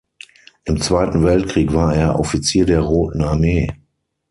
Im Zweiten Weltkrieg war er Offizier der Roten Armee.